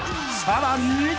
［さらに］